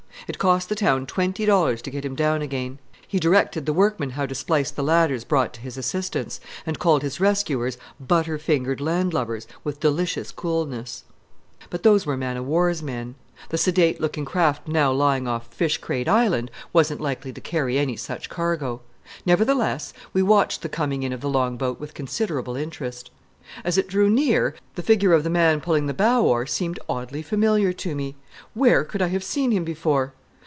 It cost the town twenty dollars to get him down again. He directed the workmen how to splice the ladders brought to his assistance, and called his rescuers "butter fingered land lubbers" with delicious coolness. But those were man of war's men: The sedate looking craft now lying off Fishcrate Island wasn't likely to carry any such cargo. Nevertheless, we watched the coming in of the long boat with considerable interest. As it drew near, the figure of the man pulling the bow oar seemed oddly familiar to me. Where could I have seen him before?